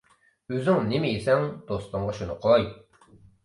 ئۆزۈڭ نېمە يېسەڭ، دوستۇڭغا شۇنى قوي.